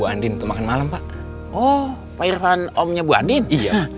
oh ya itu mengenai peneror gimana